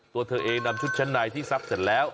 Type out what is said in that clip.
ตัวเธอเองนำชุดชั้นในที่ซับเสร็จแล้ว